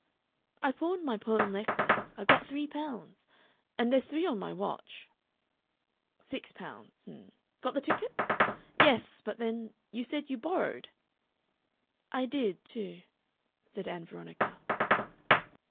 "I pawned my pearl necklace. I got three pounds, and there's three on my watch." "Six pounds. H'm. Got the tickets? Yes, but then you said you borrowed?" "I did, too," said Ann Veronica.